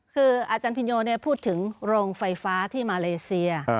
คืออาจารย์พินโยพูดถึงโรงไฟฟ้าที่มาเลเซีย